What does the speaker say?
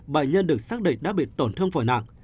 bệnh nhân được xác định đã bị tổn thương phổi nặng